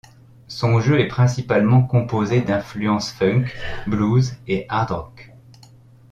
Son jeu est principalement composé d'influences Funk, Blues et Hard rock.